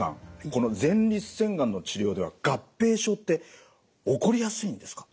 この前立腺がんの治療では合併症って起こりやすいんですか？